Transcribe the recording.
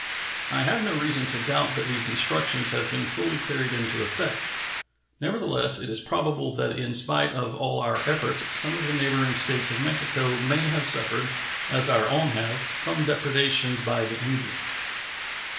I have no reason to doubt that these instructions have been fully carried into effect; nevertheless, it is probable that in spite of all our efforts some of the neighboring States of Mexico may have suffered, as our own have, from depredations by the Indians.